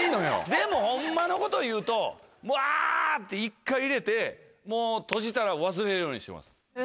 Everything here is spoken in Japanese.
でもホンマのこと言うとぶわって１回入れて閉じたら忘れるようにしてます。